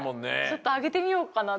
ちょっとあげてみようかな。